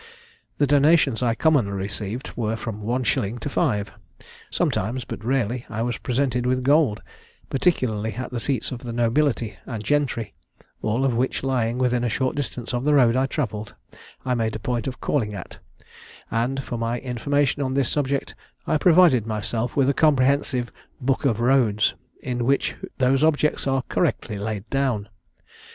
The donations I commonly received were from one shilling to five; sometimes, but rarely, I was presented with gold, particularly at the seats of the nobility and gentry; all which lying within a short distance of the road I travelled, I made a point of calling at; and for my information on this subject, I provided myself with a comprehensive 'Book of Roads,' in which those objects are correctly laid down.